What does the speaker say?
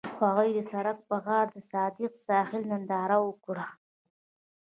هغوی د سړک پر غاړه د صادق ساحل ننداره وکړه.